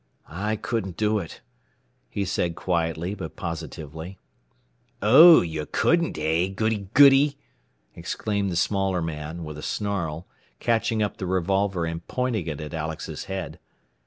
"I couldn't do it," he said quietly but positively. "Oh, you couldn't, eh, Goody goody?" exclaimed the smaller man, with a snarl, catching up the revolver and pointing it at Alex's head.